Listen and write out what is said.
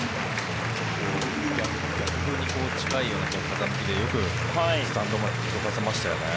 逆風に近いような風向きでよくスタンドまで届かせましたよね。